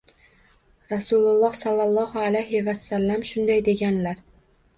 Rasululloh sollallohu alayhi va sallam shunday deganlar.